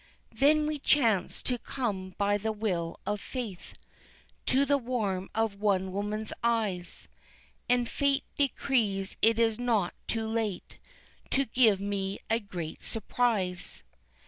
Then we chance to come by the will of fate To the warmth of one woman's eyes, And fate decrees it is not too late To give me a great surprise.